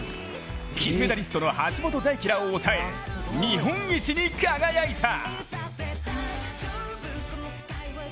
金メダリストの橋本大輝らを抑え、日本一に輝いた。